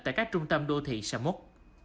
tại các trung tâm đô thị xa mốt